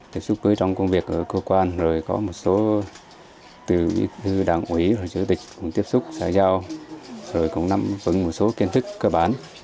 tiếp xúc với trong công việc ở cơ quan rồi có một số từ đảng ủy chủ tịch cũng tiếp xúc xã giao rồi cũng nắm vững một số kiến thức cơ bản